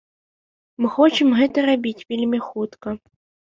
Мы хочам гэта рабіць вельмі хутка.